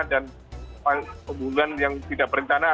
dan pembunuhan yang tidak bercana